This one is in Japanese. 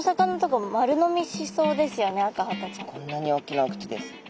こんなに大きなお口です。